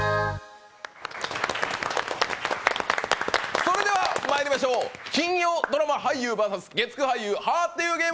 それではまいりましょう金曜ドラマ俳優対月９俳優「はぁって言うゲーム」